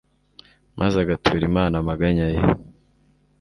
maze agatura imana amaganya ye